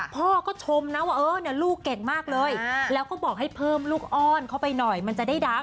พ่อก็ชมนะว่าเออเนี่ยลูกเก่งมากเลยแล้วก็บอกให้เพิ่มลูกอ้อนเข้าไปหน่อยมันจะได้ดัง